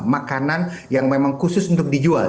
makanan yang memang khusus untuk dijual